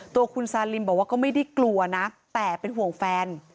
ตัวคุณซาลิมบอกว่าก็ไม่ได้กลัวนะแต่เป็นห่วงแฟน